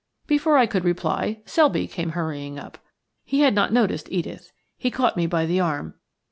Before I could reply Selby came hurrying up. He had not noticed Edith. He caught me by the arm.